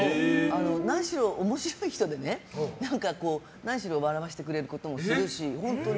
何しろ、面白い人で何しろ笑わせてくれることもするし。